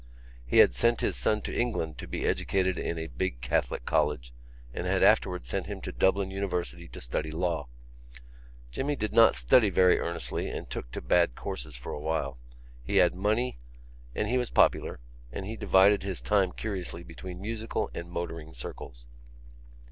He had sent his son to England to be educated in a big Catholic college and had afterwards sent him to Dublin University to study law. Jimmy did not study very earnestly and took to bad courses for a while. He had money and he was popular; and he divided his time curiously between musical and motoring circles.